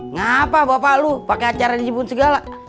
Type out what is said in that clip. ngapa bapak lu pake acara di jepun segala